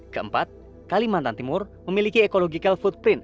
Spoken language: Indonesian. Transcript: keempat kalimantan timur memiliki ekological footprint